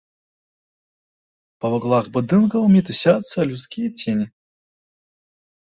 Па вуглах будынкаў мітусяцца людскія цені.